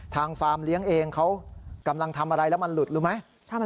ฟาร์มเลี้ยงเองเขากำลังทำอะไรแล้วมันหลุดรู้ไหม